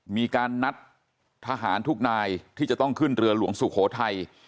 มีการนัดทหารทุกนายที่จะต้องขึ้นเรือหลวงสุโขทัย